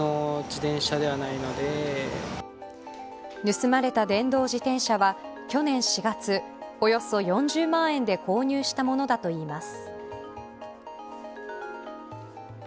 盗まれた電動自転車は去年４月、およそ４０万円で購入したものだといいます。